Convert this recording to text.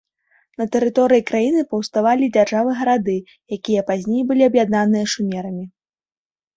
На тэрыторыі краіны паўставалі дзяржавы-гарады, якія пазней былі аб'яднаныя шумерамі.